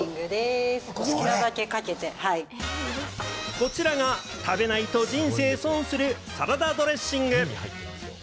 こちらが食べないと人生損するサラダドレッシング。